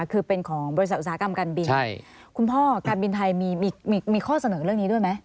คือเป็นของบริษัทอุตสาหกรรมการบินใช่คุณพ่อการบินไทยมีข้อเสนอเรื่องนี้ด้วยไหม